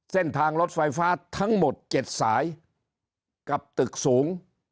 เส้นทางรถไฟฟ้าทั้งหมด๗สายกับตึกสูง